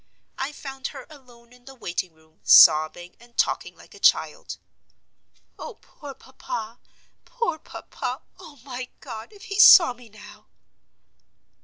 I found her alone in the waiting room, sobbing, and talking like a child. "Oh, poor papa! poor papa! Oh, my God, if he saw me now!"